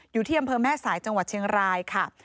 อยู่ที่อำเภอแม่สายจังหวัดเชียงรายค่ะ